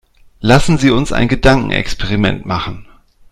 Lassen Sie uns ein Gedankenexperiment machen.